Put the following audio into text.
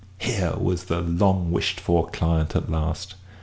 Here was the long wished for client at last!